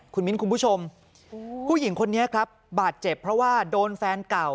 คุณมิ้นคุณผู้ชมผู้หญิงคนนี้ครับบาดเจ็บเพราะว่าโดนแฟนเก่า